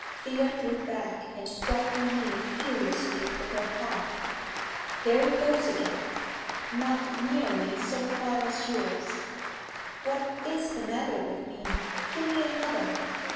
Thea drew back and struck her knee furiously with her palm. "There it goes again! Not nearly so far as yours. What is the matter with me? Give me another."